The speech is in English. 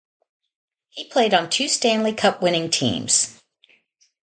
He played on two Stanley Cup winning teams.